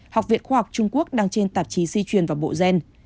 học viện khoa học trung quốc đăng trên tạp chí di truyền và bộ gen